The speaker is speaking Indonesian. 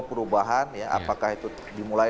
perubahan ya apakah itu dimulai